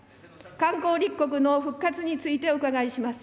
観光立国の復活についてお伺いします。